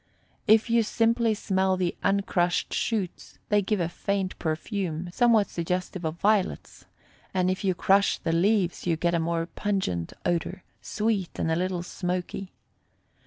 If you simply smell the uncrushed shoots, they give a faint perfume, somewhat suggestive of violets; and if you crush the leaves you get a more pungent odor, sweet and a little smoky.